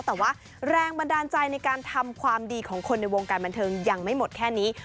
แต่ว่าแรงบันดาลใจในการทำความดีของคนในวงการบันเทิงยังไม่หมดแค่นี้